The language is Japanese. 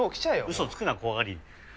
嘘つくな怖がり！